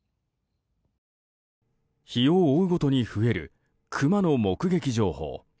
日を追うごとに増えるクマの目撃情報。